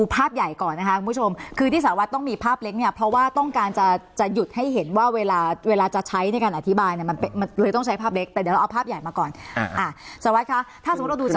อธิบายเลยต้องใช้ภาพเบ็กแต่เดี๋ยวเราเอาภาพใหญ่มาก่อนสวัสดีครับถ้าสมมติว่าดูจากภาพก็ได้ครับอ่าได้ค่ะเชิญค่ะ